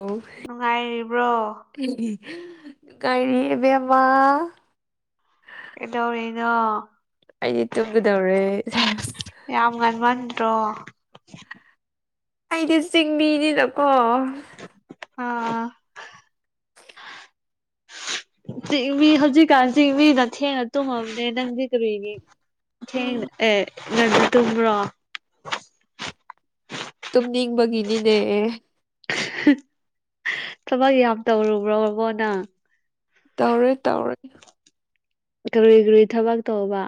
ꯑꯣ ꯅꯨꯡꯉꯥꯏꯔꯤꯕ꯭ꯔꯣ ꯀꯔꯤꯕꯦꯝꯃ ꯑꯦꯗꯣꯔꯦꯩꯅ ꯑꯩꯗꯤ ꯇꯨꯝꯒꯗꯧꯔꯦ ꯇꯣ ꯑꯩꯗꯤ ꯆꯤꯡꯃꯤꯅꯤꯅꯀꯣ [inaudible] ꯑꯥ ꯆꯤꯡꯃꯤ ꯍꯧꯖꯤꯛꯀꯥꯟ ꯆꯤꯡꯃꯤꯅ ꯊꯦꯡꯅ ꯇꯨꯝꯃꯝꯅꯦ ꯅꯪꯗꯤ ꯀꯔꯤꯒꯤ ꯊꯦꯡꯅ ꯑꯦ ꯉ ꯇꯨꯝꯕ꯭ꯔꯣ ꯅ ꯒꯅꯤꯅꯦ ꯊꯕꯛ ꯌꯥꯝ ꯇꯧꯔꯨꯕ꯭ꯔꯣꯕꯣ ꯅꯪ ꯇꯧꯔꯦ ꯇꯧꯔꯦ ꯀꯔꯤꯏ ꯀꯏ ꯊꯕꯛ ꯇꯧꯕ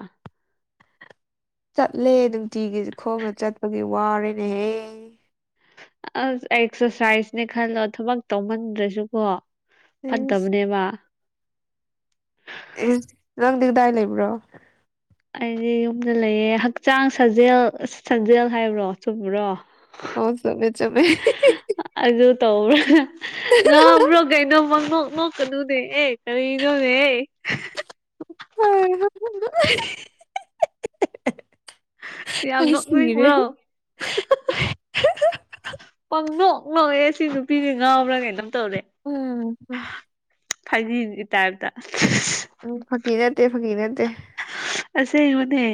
ꯆꯠꯂꯦ ꯅꯨꯡꯇꯤꯒꯤ ꯈꯣꯡꯅ ꯆꯠꯄꯒꯤ ꯋꯥꯔꯦꯅꯦꯍꯦ ꯑꯁ ꯑꯦꯛꯁꯔꯁꯥꯏꯁꯅꯦ ꯈꯜꯂꯣ ꯊꯕꯛ ꯇꯧꯃꯟꯗ꯭ꯔꯁꯨꯀꯣ ꯏꯁ ꯐꯠꯇꯠꯇꯕꯅꯦꯕ ꯑꯦ ꯅꯪꯗꯤ ꯀꯗꯥꯏ ꯂꯩꯕ꯭ꯔꯣ ꯑꯩꯗꯤ ꯌꯨꯝꯗ ꯂꯩꯌꯦ ꯍꯛꯆꯥꯡ ꯁꯥꯖꯦꯜ ꯁꯥꯖꯦꯜ ꯍꯥꯏꯕ꯭ꯔꯣ ꯆꯨꯝꯕ꯭ꯔꯣ ꯑꯥꯎ ꯆꯃꯦ ꯆꯃꯦ ꯇꯧꯔꯥ ꯉꯥ꯭ꯔꯣ ꯀꯩꯅꯣꯃ ꯅꯣꯛ ꯅꯣꯛꯀꯗꯨꯅꯦ ꯑꯦ ꯀꯔꯤꯅꯣꯅꯦ ꯑꯦ [inaudible] ꯌꯥꯝ ꯑꯩ ꯅꯣꯛ ꯁꯤꯔꯦ ꯈ꯭ꯔꯣ ꯄꯪꯗꯣ ꯑꯣ ꯑꯦꯁꯤ ꯅꯨꯄꯤꯗꯤ ꯉꯥꯎꯕ꯭ꯔꯥ ꯀꯩꯅꯪ ꯎꯝ ꯎꯝ ꯐꯥꯖꯤꯒꯤ ꯇꯥꯏꯞꯇ ꯎꯝ ꯐꯀꯤꯔꯠꯇꯦ ꯐꯀꯤꯔꯠꯇ ꯑꯁꯦ ꯃꯅꯦ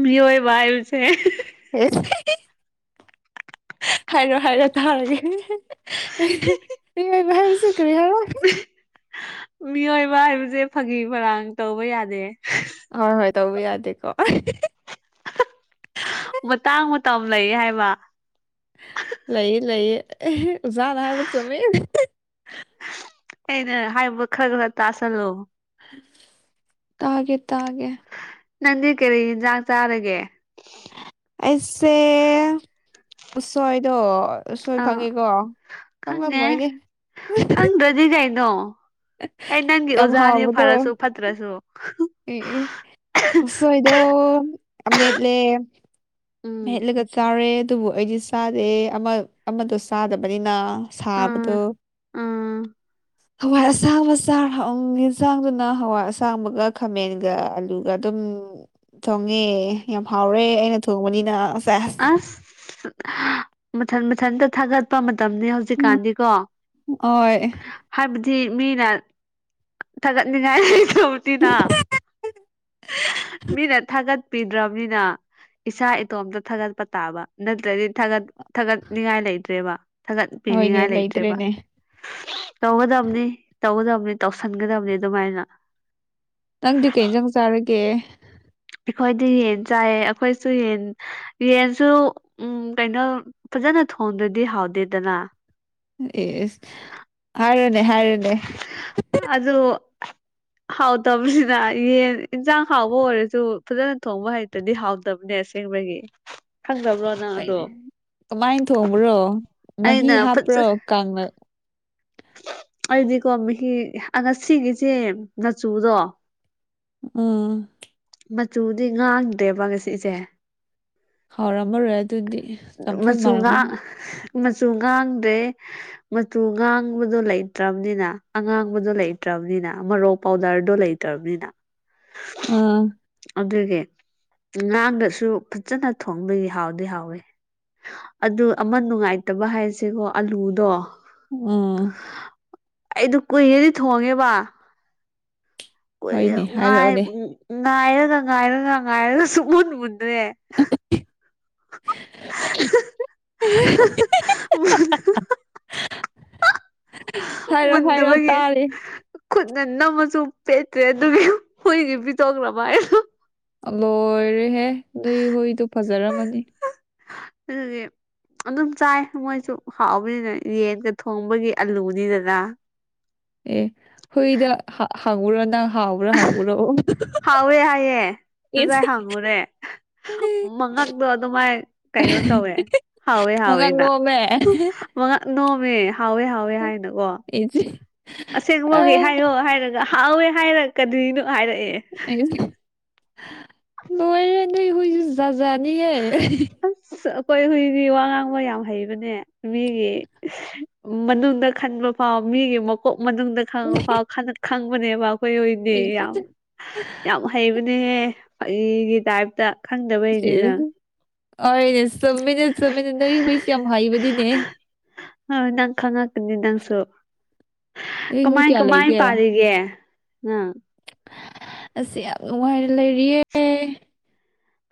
ꯃꯤꯑꯣꯏ ꯏꯁꯦ ꯑꯦ ꯍꯥꯏꯔꯣ ꯍꯥꯏꯔꯣ ꯊꯥꯔꯒꯦꯕ ꯍꯥꯏꯕꯁꯤ ꯀ ꯃꯤꯑꯣꯏꯕ ꯍꯥꯏꯕꯁꯦ ꯐꯥꯒꯤ ꯃꯔꯔꯥꯡ ꯇꯧꯕ ꯌꯥꯗꯦ ꯍꯣꯏ ꯍꯣꯏ ꯇꯧꯕ ꯌꯥꯗꯦꯀꯣ ꯃꯇꯥꯡ ꯃꯇꯝ ꯂꯩ ꯍꯥꯏꯕ ꯂꯩ ꯂꯩꯌꯦꯖꯥꯗ ꯍꯥꯏ ꯆꯃꯦ ꯑꯩꯅ ꯍꯥꯏꯕ ꯈꯔ ꯈꯔ ꯇꯥꯁꯜꯂꯣ ꯇꯥꯒꯦ ꯇꯥꯒꯦ ꯅꯪꯗꯤ ꯀꯔꯤ ꯌꯦꯤꯟꯖꯥꯛ ꯆꯥꯔꯒꯦ ꯑꯩꯁꯦꯁꯣꯏꯗꯣ ꯑꯥ ꯈꯪꯉꯦ ꯈꯪꯗ꯭ꯔꯗꯤ ꯀꯩꯅꯣ ꯑꯩ ꯅꯪꯒꯤ ꯌꯥꯝ ꯑꯣꯖꯥꯅꯦ ꯍꯥꯎꯕꯗꯣ ꯐꯔꯁꯨ ꯐꯠꯇ꯭ꯔꯁꯨ ꯎꯝ ꯎꯝ ꯎꯁꯣꯏꯗꯣ ꯑꯃꯦꯠꯂꯦ ꯎꯝ ꯃꯍꯦꯠꯂꯒ ꯆꯥꯔꯦ ꯑꯗꯨꯕꯨ ꯑꯩꯗꯤ ꯆꯥꯗꯦ ꯑꯃꯗꯣ ꯆꯥꯗꯕꯅꯤꯅ ꯎꯝ ꯁꯥꯥꯕꯇꯣ ꯎꯝ ꯍꯋꯥꯏ ꯑꯁꯥꯡꯕ ꯆꯥꯔ ꯍ ꯌꯦꯟꯁꯥꯡꯗꯨꯅ ꯍꯋꯥꯏ ꯑꯁꯥꯡꯕꯒ ꯈꯥꯃꯦꯟꯒ ꯑꯂꯨꯒ ꯑꯗꯨꯝ ꯊꯣꯡꯉꯦ ꯌꯥꯝ ꯍꯥꯎꯔꯦ ꯑꯩꯅ ꯊꯣꯡꯕꯅꯤꯅ ꯑꯁ ꯑꯁ ꯑꯁ ꯃꯊꯟ ꯃꯊꯟꯇ ꯊꯥꯒꯠꯄ ꯎꯝ ꯍꯧꯖꯤꯛꯀꯥꯟꯗꯤꯀꯣ ꯍꯣꯏ ꯍꯥꯏꯕꯗꯤ ꯁꯤ ꯃꯤꯅ ꯊꯥꯒꯠꯅꯤꯡꯉꯥꯏ ꯅꯥ ꯃꯤ ꯅ ꯊꯒꯠ ꯄꯤꯗ꯭ꯔꯕꯅꯤꯅ ꯏꯁꯥ ꯏꯇꯣꯝꯇ ꯊꯥꯒꯠꯄ ꯇꯥꯕ ꯅꯠꯇ꯭ꯔꯗꯤ ꯊꯥꯒꯠ ꯊꯥꯒꯠꯅꯤꯡꯉꯥꯏ ꯂꯩꯇ꯭ꯔꯦꯕ ꯍꯣꯏꯅꯦ ꯊꯥꯒꯠꯄꯤꯅꯤꯡꯉꯥꯏ ꯂꯩꯇ꯭ꯔꯦꯕ ꯂꯩꯇ꯭ꯔꯦꯅꯦ ꯇꯧꯒꯗꯕꯅꯤ ꯇꯧꯒꯗꯕꯅꯤ ꯇꯧꯁꯤꯟꯒꯗꯕꯅꯤ ꯑꯗꯨꯃꯥꯏꯅ ꯅꯪꯗꯤ ꯀꯩ ꯆꯪ ꯆꯥꯔꯒꯦ ꯑꯩꯈꯣꯏꯗꯤ ꯌꯦꯟ ꯆꯥꯏꯌꯦ ꯑꯩꯈꯣꯏꯁꯨ ꯌꯦꯟ ꯌꯦꯟꯁꯨ ꯎꯝ ꯀꯩꯅꯣ ꯐꯖꯅ ꯍꯣꯡꯗꯗꯤ ꯍꯥꯎꯗꯦꯗꯅ ꯌꯦꯁ ꯍꯥꯏꯔꯅꯦ ꯍꯥꯏꯔꯅꯦ ꯑꯗ [unintelligible] [inaudible] ꯍꯥꯎꯇꯕꯁꯤꯅ ꯌꯦꯟ ꯏꯟꯁꯥꯡ ꯍꯥꯎꯕ ꯑꯣꯏꯔꯁꯨ ꯐꯖꯅ ꯊꯣꯡꯕ ꯍꯩꯇꯗꯤ ꯍꯥꯎꯗꯕꯅꯦ ꯑꯁꯦꯡ ꯕꯒꯤ ꯀꯃꯥꯏꯅ ꯊꯣꯡꯕ꯭ꯔꯣ ꯃꯍꯤ ꯑꯩꯅ ꯍꯥꯞꯄ꯭ꯔꯣ ꯀꯥꯡꯅ ꯑꯗꯨꯗꯤꯀꯣ ꯃꯤ ꯉꯁꯤꯒꯤꯁꯦ ꯃꯆꯨꯗꯣ ꯎꯝ ꯃꯆꯨꯗꯤ ꯉꯥꯡꯗ꯭ꯔꯦꯕ ꯉꯁꯤꯁꯦ ꯍꯥꯎꯔ ꯑꯃ ꯔ ꯃꯆꯨꯉꯥ ꯃꯆꯨ ꯉꯥꯡꯗ꯭ꯔꯦ ꯃꯆꯨ ꯉꯥꯡꯕꯗꯣ ꯂꯩꯇ꯭ꯔꯕꯅꯤꯅ ꯑꯉꯥꯡꯕꯗꯣ ꯂꯩꯇ꯭ꯔꯕ ꯅꯤꯅ ꯃꯔꯣꯛ ꯄꯥꯎꯗꯔꯗꯣ ꯂꯩꯇ꯭ꯔꯕꯅꯤꯅ ꯎꯝ ꯑꯗꯨꯒꯤ ꯉꯥꯡꯗꯁꯨ ꯐꯖꯅ ꯊꯣꯡꯕꯒꯤ ꯍꯥꯎꯗꯤ ꯍꯥꯎꯋꯤ ꯑꯗꯨ ꯑꯃ ꯅꯨꯡꯉꯥꯏꯇꯕ ꯍꯥꯏꯁꯦꯀꯣ ꯑꯂꯨꯗꯣ ꯑꯥ ꯑꯩꯗ ꯀꯨꯏꯔꯦꯗꯤ ꯊꯣꯡꯉꯦꯕ ꯀ ꯣꯏ ꯍꯣꯏꯅꯦ ꯍꯥꯏꯔꯛꯑꯣꯅꯦ ꯉꯥꯏꯔꯒ ꯉꯥꯏꯔꯒ ꯉꯥꯏꯔꯒ ꯁꯨ ꯃꯨꯟꯨ [unintelligible] [inaudible] ꯃ [unintelligible] [inaudible] ꯍꯥꯏꯔꯣ ꯃꯗ ꯍꯥꯏꯔꯣ ꯃꯒꯤ ꯇꯥꯔꯤ ꯈꯨꯠꯅ ꯅꯝꯃꯁꯨ ꯄꯦꯠꯇ꯭ꯔꯦ ꯑꯗꯨꯒꯤ ꯍꯨꯏꯒꯤ ꯄꯤꯊꯣꯛ꯭ꯔꯕ ꯍꯥꯏꯅꯣ ꯂꯣꯏꯔꯦꯍꯦ ꯅꯣꯏ ꯍꯣꯏꯗꯨꯣ ꯐꯖꯔꯝꯃꯅꯤ ꯑꯗꯨꯒꯤ ꯑꯗꯨꯝ ꯆꯥꯏ ꯃꯣꯏꯁꯨ ꯍꯥꯎꯕꯅꯤꯅ ꯌꯦꯟꯒ ꯊꯣꯡꯕꯒꯤ ꯑꯂꯨꯅꯤꯗꯅ ꯑꯦ ꯍꯣꯏꯗ ꯍꯉꯣꯔꯅ ꯍꯥꯎꯕ꯭ꯔꯥ ꯍꯪꯕ꯭ꯔꯣꯁ ꯍꯥꯎꯋꯦ ꯍꯥꯏꯌꯦ ꯉꯁꯥꯏ ꯍꯪꯉꯨꯔꯦ ꯃꯉꯛꯇꯣ ꯑꯗꯨꯃꯥꯏ ꯀꯩꯅꯣ ꯇꯧꯋꯦ ꯍꯥꯎꯋꯦ ꯃꯉꯛ ꯍꯥꯎꯋꯦꯅ ꯂꯣꯝꯃꯦ ꯅꯣꯝꯃꯦ ꯍꯥꯎꯋꯦ ꯍꯥꯎꯋꯦ ꯍꯥꯏꯅꯀꯣ ꯑꯁꯦꯡꯕꯒꯤ ꯍꯥꯏꯌꯣ ꯍꯥꯏꯔꯒ ꯍꯥꯎꯋꯦ ꯍꯥꯏꯔꯛꯀꯗꯣꯏꯅꯣ ꯍꯥꯏꯔꯛꯑꯦ ꯂꯣꯏꯔ ꯍꯨꯏꯥꯖꯅꯤꯍꯦ ꯑ [unintelligible] [inaudible] ꯍꯈꯣꯏ ꯍꯨꯏꯒꯤ ꯋꯥ ꯉꯥꯡꯕ ꯌꯥꯝ ꯍꯩꯕꯅꯦ ꯃꯤꯒꯤ ꯃꯅꯨꯡꯗ ꯈꯟꯕ ꯐꯥꯎꯕ ꯃꯤꯒꯤ ꯃꯀꯣꯛ ꯃꯅꯨꯡꯗ ꯈꯪꯥꯎ ꯈꯪꯕꯅꯦꯕ ꯑꯩꯈꯣꯏ ꯍꯣꯏꯗꯤ ꯌꯥꯝ ꯌꯥꯝ ꯍꯩꯕꯅꯤ ꯅꯦꯍꯦ ꯑꯩꯒꯤ ꯇꯥꯏꯞꯇ ꯈꯪꯗꯕꯩꯅꯤꯅꯪ ꯑꯅꯦ ꯆꯃꯤꯅꯠ ꯆꯃꯤꯅ ꯅ ꯍꯨꯏꯁ ꯌꯥꯝ ꯍꯥꯏꯩꯕꯗꯤꯅꯦ ꯍꯣꯏ ꯅꯪ ꯈꯪꯉꯛꯀꯅꯤ ꯅꯪꯁꯨ ꯀꯃꯥꯏ ꯀꯃꯥꯏ ꯄꯥꯔꯤꯒꯦ ꯑ ꯑꯁꯤ ꯌꯥꯝ ꯅꯨꯡꯉꯥꯏꯅ ꯂꯩꯔꯤꯌꯦ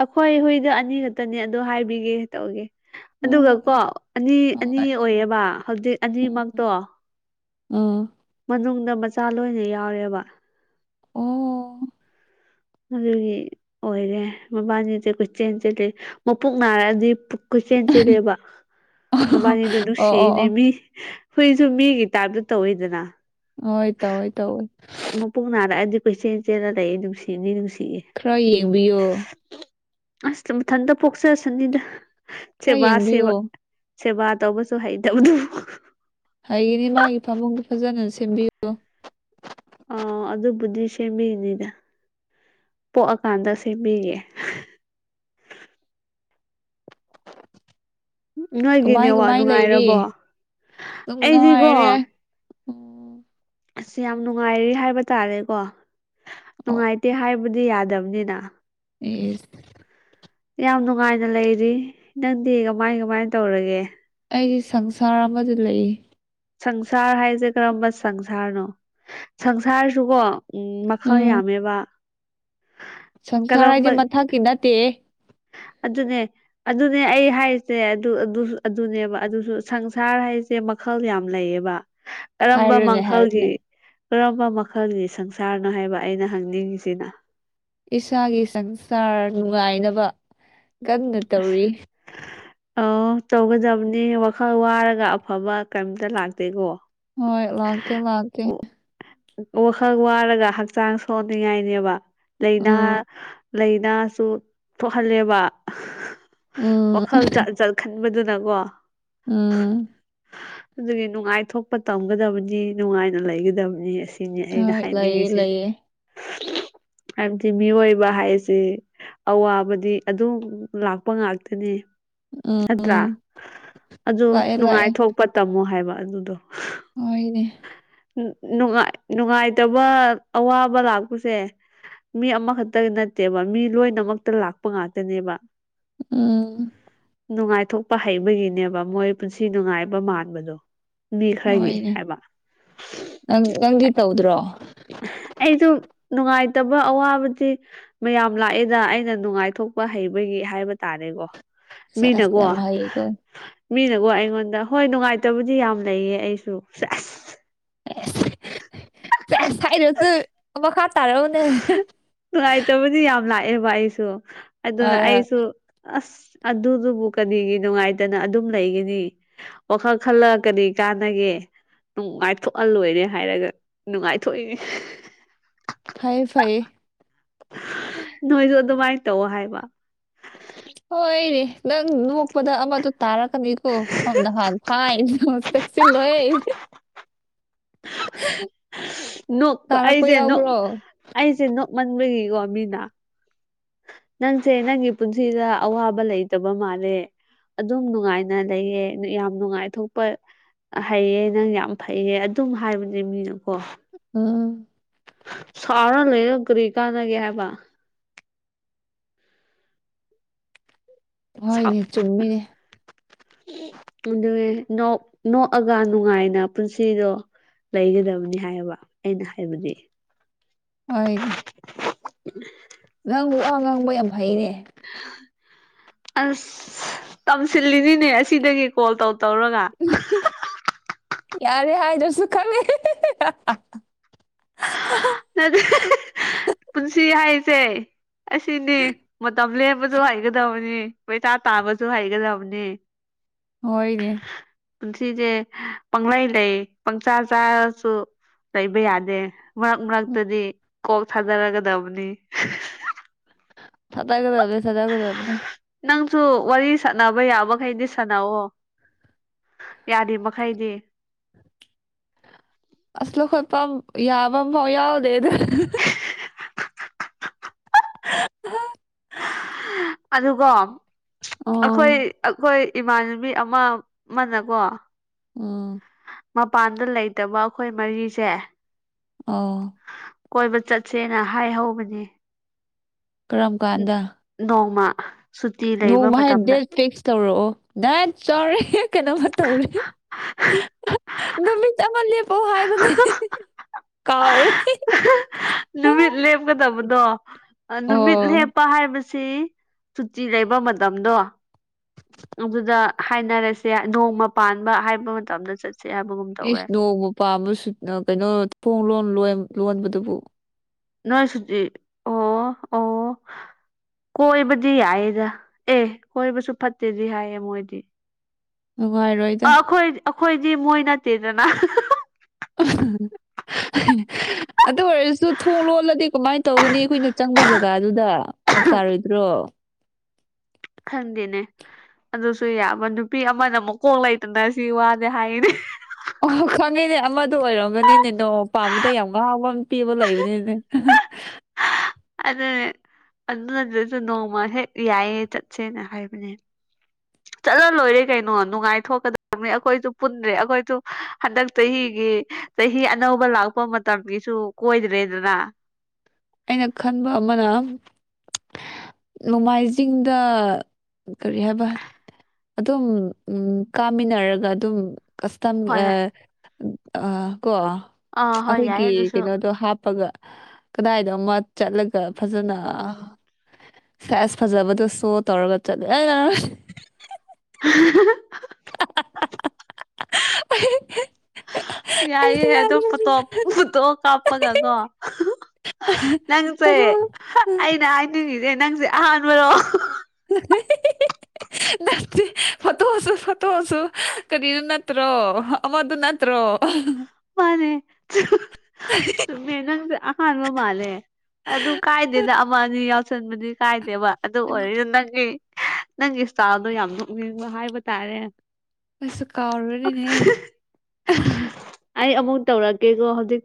ꯑꯩꯈꯣꯏ ꯍꯨꯣꯏꯗ ꯑꯅꯤ ꯈꯛꯇꯅꯦ ꯑꯗꯣ ꯍꯥꯏꯕꯤꯒꯦ ꯇꯧꯒꯦ ꯑꯗꯨꯒ ꯀꯣ ꯑꯅꯤ ꯑꯅꯤ ꯑꯣꯏꯌꯦꯕ ꯍꯧꯖꯤꯛ ꯑꯅꯤꯃꯛꯇꯣ ꯑꯥ ꯅ ꯅ ꯃꯆꯥ ꯂꯣꯏꯅ ꯌꯥꯎꯔꯦꯕ ꯑꯗꯨꯒꯤ ꯑꯣꯏꯔꯦ ꯃꯕꯥꯅꯤꯗꯤ ꯑꯩꯈꯣꯏ ꯆꯦꯟ ꯆꯦꯜꯂꯤ ꯃꯄꯨꯛ ꯅꯥꯔꯛꯑꯗꯤ ꯀꯣꯏꯆꯦꯟ ꯆꯦꯜꯂꯦꯕ ꯃꯕꯥꯅꯤꯗꯣ ꯅꯨꯡꯁꯤꯅꯦ ꯃꯤ ꯍꯨꯏꯁꯨ ꯃꯤꯒꯤ ꯇꯥꯏꯞꯇ ꯇꯧꯋꯤꯗꯅ ꯍꯣꯏ ꯇꯧꯑꯣꯏ ꯇꯧꯏ ꯄꯩꯁꯦ ꯆꯦꯔꯗꯥꯥꯏꯌꯦ ꯅꯨꯡꯁꯤꯅꯤꯅꯨꯡꯁꯤ ꯈꯔ ꯌꯦꯡꯕꯤꯌꯣ ꯑꯁ ꯊꯟꯗ ꯄꯣꯛꯁ ꯁꯅꯤꯗ ꯈꯔ ꯌꯦꯡꯕꯤꯌꯨ ꯁꯤꯦꯕꯥ ꯇꯣꯧꯕꯁꯨ ꯍꯥꯏꯩꯗꯗꯨ ꯍꯌꯦꯅꯦ ꯃꯥꯒꯤ ꯐꯥꯃꯨꯡꯗꯨ ꯐꯖꯅ ꯁꯦꯝꯕꯤꯌꯨ ꯑ ꯑꯗꯨꯕꯨꯗꯤ ꯁꯦꯝꯕꯤꯅꯤꯗ ꯄꯣꯛꯑꯀꯥꯟꯗ ꯁꯦꯝꯕꯤꯌꯦꯦ [inaudible] ꯅꯣꯏꯒꯤ ꯀꯃꯥꯏ ꯅꯦꯋꯥꯛ ꯀꯃꯥꯏ ꯂꯩꯔꯤ ꯅꯨꯡꯉꯥꯏꯔꯕꯣ ꯑꯗꯨꯝ ꯑꯩꯗꯤꯀꯣ ꯅꯨꯡꯉꯥꯏꯔꯦ ꯎ ꯑꯁ ꯌꯥꯝ ꯅꯨꯡꯉꯥꯏꯔꯤ ꯍꯥꯏꯕ ꯇꯥꯔꯦꯀꯣ ꯅꯨꯡꯉꯥꯏꯇꯦ ꯍꯥꯏꯕꯗꯤ ꯌꯥꯗꯕ ꯀꯅꯤꯗ ꯑꯦ ꯌꯥꯝ ꯅꯨꯡꯉꯥꯏꯅ ꯂꯩꯔꯤ ꯅꯪꯗꯤ ꯀꯃꯥꯏ ꯀꯃꯥꯏꯅ ꯇꯧꯔꯒꯦ ꯑꯩꯁ ꯁꯪꯁꯥꯔ ꯑꯃꯗꯤꯗ ꯂꯩꯏ ꯁꯪꯁꯥꯔ ꯍꯥꯏꯁꯦ ꯀꯔꯝꯕ ꯁꯪꯁꯥꯔꯅꯣ ꯁꯪꯁꯥꯔꯁꯨꯀꯣ ꯎꯝ ꯃꯈꯥ ꯎꯝ ꯌꯥꯝꯃꯦꯕ ꯁꯪꯁꯥꯔ ꯀꯔꯝꯕ ꯍꯥꯏꯁꯦ ꯃꯊꯛꯀꯤ ꯅꯠꯇꯦ ꯑꯗꯨꯅꯦ ꯑꯗꯨꯅꯦ ꯑꯩ ꯍꯥꯏꯁꯦ ꯑꯗꯨꯅꯦꯕ ꯑꯗꯨꯁꯨ ꯁꯪꯁꯥꯔ ꯍꯥꯏꯁꯦ ꯃꯈꯜ ꯌꯥꯝ ꯂꯩꯌꯦꯕ ꯀꯔꯝꯕ ꯍꯥꯏꯔꯣꯅꯦ ꯃꯈꯜꯒꯤ ꯍꯥꯏꯔꯣꯅꯦ ꯀꯔꯝꯕ ꯃꯈꯜꯒꯤ ꯁꯪꯁꯥꯔꯅꯣ ꯍꯥꯏꯕ ꯑꯩꯅ ꯍꯪꯅꯤꯡꯉꯤꯁꯤꯅ ꯏꯁꯥꯒꯤ ꯁꯪꯁꯥꯔ ꯅꯨꯡꯉꯥꯏꯅꯕ ꯀꯟꯅ ꯇꯧꯔꯤ ꯑ ꯇꯧꯒꯗꯕꯅꯤ ꯋꯥꯈꯜ ꯋꯥꯔꯒ ꯑꯐꯕ ꯀꯔꯤꯝꯇ ꯂꯥꯛꯇꯦꯀꯣ ꯍꯣꯏ ꯂꯥꯛꯀꯦ ꯂꯥꯛꯀꯦ ꯋꯥꯈꯛ ꯋꯥꯔꯒ ꯍꯛꯆꯥꯡ ꯁꯣꯟꯅꯤꯡꯉꯥꯏꯅꯦꯕ ꯂꯥꯏꯅꯥ ꯎꯝ ꯂꯩꯥꯏꯅꯥꯁꯨ ꯊꯣꯛꯍꯜꯂꯦꯕ ꯎꯝ ꯋꯥꯈꯜꯠ ꯕꯗꯨꯅ ꯀꯣ ꯎꯝ ꯑꯗꯨꯒꯤ ꯅꯨꯡꯉꯥꯏꯊꯣꯛꯄ ꯇꯝꯒꯗꯕꯅꯤ ꯅꯨꯡꯉꯥꯏꯅ ꯂꯩꯒꯗꯕꯅꯤ ꯑ ꯁꯤꯅꯤ ꯑꯩꯅ ꯍꯣꯏ ꯂꯩꯌꯦ ꯍꯥꯏꯅꯤꯡꯉꯤꯁꯦ ꯂꯩꯌꯦ ꯍꯥꯏꯕꯗꯤ ꯃꯤꯑꯣꯏꯕ ꯍꯥꯏꯁꯦ ꯑꯋꯥꯕꯗꯤ ꯑꯗꯨꯝ ꯂꯥꯛꯄ ꯉꯥꯛꯇꯅꯦ ꯅꯠꯇ꯭ꯔꯥ ꯎꯝ ꯑꯗꯨ ꯂꯥꯛꯑꯦ ꯅꯨꯡꯉꯥꯏꯊꯣꯛꯄ ꯇꯝꯃꯣ ꯍꯥꯏꯕ ꯑꯗꯨꯗꯣ ꯑꯣꯏꯣꯏꯅꯦ ꯅꯨꯡꯉꯥꯏ ꯅꯨꯡꯉꯥꯏꯇꯕ ꯑꯋꯥꯕ ꯂꯥꯛꯄꯁꯦ ꯃꯤ ꯑꯃꯈꯛꯇꯒꯤ ꯅꯠꯇꯦꯕ ꯃꯤ ꯂꯣꯏꯅꯃꯛꯇ ꯂꯥꯛꯄ ꯉꯥꯛꯇꯅꯦꯕ ꯎꯝ ꯅꯨꯡꯉꯥꯏꯊꯣꯛꯄ ꯍꯩꯕꯒꯤꯅꯦꯕ ꯃꯣꯏ ꯄꯨꯟꯁꯤ ꯅꯨꯡꯉꯥꯏꯕ ꯃꯥꯟꯕꯗꯣ ꯃꯤ ꯈꯔꯒꯤ ꯍꯣꯏꯅꯦ ꯍꯥꯏꯕ ꯅꯪ ꯅꯪꯗꯤ ꯇꯧꯗ꯭ꯔꯣ ꯑꯩꯁꯨ ꯅꯨꯡꯉꯥꯏꯇꯕ ꯑꯋꯥꯕꯗꯤ ꯃꯌꯥꯝ ꯂꯥꯛꯏꯦꯗ ꯑꯩꯅ ꯅꯨꯡꯉꯥꯏꯊꯣꯛꯄ ꯍꯩꯕꯒꯤ ꯍꯥꯏꯕ ꯇꯥꯔꯦꯒꯣ ꯁꯁꯅꯚ ꯃꯤꯅꯀꯣ ꯑꯩꯉꯣꯟꯗ ꯍꯣꯏ ꯅꯨꯡꯉꯥꯏꯇꯕꯗꯤ ꯌꯥꯝ ꯂꯩꯌꯦ ꯑꯩꯁꯨꯁ ꯑꯦꯁꯁ ꯍꯥꯏꯔꯁꯨ ꯃꯈꯥ ꯇꯥꯔꯛꯎꯅꯦ ꯅꯨꯡꯉꯥꯏꯇꯕꯗꯤ ꯌꯥꯝ ꯂꯥꯛꯑꯦꯕ ꯑꯩꯁꯨ ꯑꯗꯨꯅ ꯍꯣꯏ ꯍꯣꯏ ꯑꯩꯁꯨ ꯑꯁ ꯑꯗꯨꯗꯨꯕꯨ ꯀꯔꯤꯒꯤ ꯅꯨꯡꯉꯥꯏꯇꯅ ꯑꯗꯨꯝ ꯂꯩꯒꯅꯤ ꯋꯥꯈꯜ ꯈꯜꯂ ꯀꯔꯤ ꯀꯥꯟꯅꯒꯦ ꯅꯨꯡꯉꯥꯏꯊꯣꯛꯍꯜꯂꯣꯏꯔꯦ ꯍꯥꯏꯔꯒ ꯅꯨꯡꯉꯥꯏꯊꯣꯛꯏꯅꯦ ꯐꯌꯦꯦ ꯐꯌꯦ ꯅꯣꯏꯁꯨ ꯑꯗꯨꯃꯥꯏꯅ ꯇꯧ ꯍꯥꯏꯕ ꯍꯣꯏꯅꯦ ꯅꯪ ꯅꯣꯛꯄꯗ ꯑꯃꯗ ꯇꯥꯔꯛꯀꯅꯤꯀꯣ ꯑꯍꯗꯜ ꯐꯥꯏꯟ ꯍꯁꯇꯁꯤ ꯂꯣꯏ ꯅꯣꯛꯄ ꯑꯩꯁꯦ ꯑꯩꯁꯦ ꯅꯣꯛꯃꯟꯕꯒꯤꯀꯣ ꯃꯤꯅ ꯅꯪꯁꯦ ꯅꯪꯒꯤ ꯄꯨꯟꯁꯤꯗ ꯑꯋꯥꯕ ꯂꯩꯇꯕ ꯃꯥꯜꯂꯦ ꯑꯗꯨꯝ ꯅꯨꯡꯉꯥꯏꯅ ꯂꯩꯌꯦ ꯌꯥꯝ ꯅꯨꯡꯉꯥꯏ ꯊꯣꯛꯄ ꯍꯩꯌꯦ ꯅꯪ ꯌꯥꯝ ꯐꯩꯌꯦ ꯑꯗꯨꯝ ꯍꯥꯏꯕꯅꯦ ꯃꯤꯅꯀꯣ ꯎꯝ ꯁꯥꯎꯅ ꯂꯩ ꯔꯤꯀꯅꯒꯕ ꯍꯣꯏꯅꯦ ꯆꯨꯝꯃꯤꯅꯦ ꯑꯗꯨ ꯅꯣꯛꯑꯒ ꯅꯨꯡꯉꯥꯏꯅ ꯄꯨꯟꯁꯤꯗꯣ ꯂꯩꯒꯗꯕꯅꯤ ꯍꯥꯏꯌꯦꯕ ꯑꯩꯅ ꯍꯥꯏꯕꯗꯤ ꯍꯣꯏꯅꯦ ꯎ ꯅꯪ ꯋꯥ ꯉꯥꯡꯕ ꯌꯥꯝ ꯐꯩꯅꯦ ꯑꯁ ꯇꯝꯁꯤꯜꯂꯤꯅꯤꯅꯦ ꯑꯁꯤꯗꯒꯤ ꯀꯣꯜ ꯇꯧ ꯇꯧꯔꯒ ꯌꯥꯔꯦ ꯍꯥꯏꯗ꯭ꯔꯁꯨ ꯈꯪꯂꯦ ꯄꯨꯟꯁꯤ ꯍꯥꯏꯁꯦ ꯑꯁꯤꯅꯤ ꯃꯇꯝ ꯂ ꯁꯨ ꯍꯩꯒꯗꯕꯅꯤ ꯄꯩꯁꯥ ꯇꯥꯕꯁꯨ ꯍꯩꯒꯗꯕꯅꯤ ꯑꯣꯏꯣꯏꯅꯦ ꯄꯨꯟꯁꯤꯁꯦ ꯄꯪꯂꯂꯩ ꯂꯩ ꯄꯪꯆꯥ ꯆꯥꯔꯁꯨ ꯂꯩꯕ ꯌꯥꯗꯦ ꯃꯔꯛ ꯎꯝ ꯃꯔꯛꯇꯗꯤ ꯀꯣꯛ ꯊꯥꯗꯔꯒꯗꯕꯅꯤ ꯊꯥ ꯇ ꯀꯗ ꯁꯖꯥꯎ ꯀꯗꯕꯅꯦ ꯁꯨ ꯋꯥꯔꯤ ꯁꯥꯟꯅꯕ ꯌꯥꯕꯈꯩꯗꯤ ꯁꯥꯟꯅꯑꯣ ꯌꯥꯔꯤ ꯃꯈꯩꯗꯤ ꯑꯁꯂꯣ ꯈꯣꯣꯏꯄ ꯌꯥꯕ ꯐꯥꯎ ꯌꯥꯎꯗꯦ ꯑꯗꯨ ꯎ ꯑꯗꯨꯒꯣ ꯑꯩꯈꯣꯏ ꯑꯩꯈꯣꯏ ꯏꯃꯥꯟꯅꯕꯤ ꯑꯃ ꯑꯃꯅꯀꯣ ꯑꯥ ꯃꯄꯥꯟꯗ ꯂꯩꯇꯕ ꯑꯩꯈꯣꯏ ꯃꯔꯤꯁꯦ ꯑꯣ ꯀꯣꯏꯕ ꯆꯠꯁꯦꯅ ꯍꯥꯏꯍꯧꯕꯅꯦ ꯀꯔꯝ ꯀꯥꯟꯗ ꯅꯣꯡꯃ ꯁꯨꯇꯤ ꯅꯣꯡ ꯂꯩꯕ ꯃꯥꯥꯏ ꯃꯇꯝꯗ ꯗꯦꯠ ꯐꯤꯛꯁ ꯇꯧꯔꯛꯑꯣ ꯗꯥꯏꯠ ꯆꯥꯎꯔ ꯀꯩꯅꯣꯃ ꯇꯧꯔꯦ ꯅꯨꯃꯤꯠ ꯑꯃ ꯂꯦꯞꯄꯣ ꯍꯥꯏꯕꯅꯦ ꯀꯥꯎ ꯅꯨꯃꯤꯠ ꯂꯦꯞꯀꯗꯕꯗꯣ ꯅꯨꯃꯤꯠ ꯑꯣ ꯂꯦꯞꯄ ꯍꯥꯏ ꯁꯤ ꯆꯨꯇꯤ ꯂꯩꯕ ꯃꯇꯝꯗꯣ ꯑꯗꯨꯗ ꯍꯥꯏꯅꯔꯁꯦ ꯅꯣꯡꯃ ꯄꯥꯟꯕ ꯍꯥꯏꯕ ꯃꯇꯝꯗ ꯆꯠ ꯑꯦꯁ ꯅꯣꯡꯃ ꯄꯥꯝꯃꯁꯨ ꯀꯩꯅꯣ ꯐꯣꯡ ꯂꯣꯟ ꯂꯣꯟꯕꯗꯨꯕꯨ ꯅꯣꯏ ꯁꯨꯇꯤ ꯑꯣ ꯑꯣ ꯀꯣꯏꯕꯗꯤ ꯌꯥꯏꯌꯦꯗ ꯑꯦ ꯀꯣꯏꯕꯁꯨ ꯐꯠꯇꯦꯗꯤ ꯍꯥꯏꯌꯦ ꯃꯣꯏꯗꯤ ꯑ ꯅꯨꯡꯉꯥꯏꯔꯣꯏꯗ ꯑꯩꯈꯣꯏ ꯑꯩꯈꯣꯏꯗꯤ ꯃꯣꯏ ꯅꯠꯇꯦꯗꯅ ꯑꯗꯨ ꯑꯣꯏꯔꯁꯨ ꯊꯣꯡ ꯂꯣꯜꯂꯗꯤ ꯀꯃꯥꯏꯅ ꯇꯧꯒꯅꯤ ꯑꯩꯈꯨꯣꯏꯅ ꯆꯪꯕ ꯖꯒꯥꯗꯨꯗ ꯐꯔꯛ ꯇꯥꯔꯣꯏꯗ꯭ꯔꯣ ꯈꯟꯗꯦꯅꯦ ꯑꯗꯨꯁꯨ ꯌꯥꯕ ꯅꯨꯄꯤ ꯑꯃꯅ ꯃꯀꯣꯛ ꯂꯩꯇꯅ ꯁꯤ ꯋꯥꯁꯦ ꯍꯥꯏꯅꯦ ꯑꯣ ꯈꯪꯉꯤꯅꯦ ꯑꯃꯗ ꯑꯣꯏꯔꯝꯕꯅꯤꯅꯦ ꯅꯣ ꯄꯥꯝꯕꯗ ꯌꯥꯝ ꯉꯥꯎꯕ ꯑꯃ ꯄꯤꯕ ꯂꯩꯕꯅꯤꯅꯦ ꯑꯗꯨꯅꯦ ꯑꯗꯨꯅ ꯑꯗꯨꯗꯁꯨ ꯅꯣꯡꯃ ꯍꯦꯛ ꯌꯥꯏꯌꯦ ꯆꯠꯁꯦꯅ ꯍꯥꯏꯕꯅꯦ ꯆꯠꯂ ꯂꯣꯏꯔꯦ ꯀꯩꯅꯣ ꯅꯨꯡꯉꯥꯏꯊꯀꯗꯕꯅꯤ ꯑꯩꯈꯣꯏꯁꯨ ꯄꯨꯟꯗ꯭ꯔꯦ ꯑꯩꯈꯣꯏꯁꯨ ꯍꯟꯗꯛ ꯆꯍꯤ ꯒꯤ ꯆꯍꯤ ꯑꯅꯧꯕ ꯂꯥꯛꯄ ꯃꯇꯝꯒꯤꯁꯨ ꯀꯣꯏꯗ꯭ꯔꯦꯗꯅ ꯑꯩꯅ ꯈꯟꯕ ꯑꯃꯅ ꯅꯣꯡꯃꯥꯏꯖꯤꯡꯗ ꯀꯔꯤ ꯍꯥꯏꯕ ꯑꯗꯨꯝ ꯎꯝ ꯀꯥꯃꯤꯟꯅꯔꯒ ꯑꯗꯨꯝ ꯀꯁ ꯍꯣꯏ ꯍꯣꯏ ꯀꯣ ꯑꯥ ꯍꯣꯏ ꯌꯥꯏꯌꯦ ꯑꯩꯈꯣꯏꯒꯤ ꯑꯗꯨꯁꯨ ꯀꯩꯅꯣꯗꯣ ꯍꯥꯞꯄꯒ ꯀꯗꯥꯏꯗꯣ ꯑꯃ ꯆꯠꯂꯒ ꯐꯖꯅ ꯁꯥꯏꯁ ꯐꯖꯕꯗꯨꯁꯨꯣ ꯇꯧꯔꯒ ꯆꯠꯂ [unintelligible] ꯑꯩ ꯌꯥꯏꯑꯦ ꯑꯗꯨ ꯐꯣꯇꯣꯞ ꯐꯣꯇꯣ ꯀꯥꯞꯄꯒꯀꯣ ꯅꯪꯁꯦ ꯐꯣꯇꯣ ꯑꯩꯅ ꯍꯥꯏꯅꯤꯡꯉꯤꯁꯦ ꯅꯪꯁꯦ ꯑꯍꯥꯟꯕꯔꯣ ꯅꯠꯇꯦ ꯐꯣꯠꯇꯣꯁꯨ ꯐꯣꯠꯇꯣꯁꯨ ꯀꯔꯤꯅ ꯅꯠꯇ꯭ꯔꯣ ꯑꯃꯗꯨ ꯅꯠꯇ꯭ꯔꯣ ꯃꯥꯅꯦ ꯆꯨꯝꯃꯦ ꯅꯡꯁꯦ ꯑꯃꯥꯟꯕ ꯃꯥꯜꯂꯦ ꯑꯗꯨ ꯀꯥꯏꯗꯦꯗ ꯑꯃ ꯑꯅꯤ ꯌꯥꯎꯁꯟꯕꯗꯤ ꯀꯥꯏꯗꯦꯕ ꯑꯗꯨ ꯑꯣꯏꯔꯗ ꯅꯪꯒꯤ ꯅꯪꯒꯤ ꯏꯁꯇꯥꯜꯗꯣ ꯌꯥꯝ ꯅꯣꯛꯅꯤꯡꯕ ꯍꯥꯏꯕ ꯇꯥꯔꯦ ꯑꯩꯁꯨ ꯀꯥꯥꯎꯔꯨꯔꯦꯅꯦ ꯑꯩ ꯑꯃꯨꯛ ꯇꯧꯔꯛꯀꯦꯀꯣ ꯍꯧꯖꯤꯛ